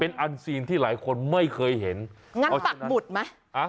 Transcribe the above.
เป็นอันซีนที่หลายคนไม่เคยเห็นงั้นปักหมุดไหมอ่ะ